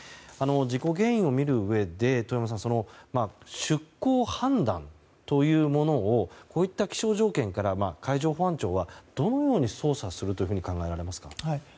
事故原因を見るうえで出航判断というものをこういった気象条件から海上保安庁はどのように捜査すると考えられますか？